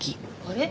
あれ？